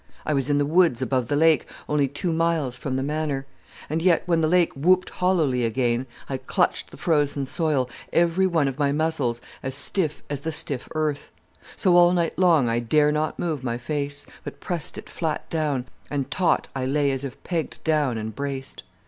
I was in the woods above the lake, only two miles from the Manor. And yet, when the lake whooped hollowly again, I clutched the frozen soil, every one of my muscles as stiff as the stiff earth. So all the night long I dare not move my face, but pressed it flat down, and taut I lay as if pegged down and braced.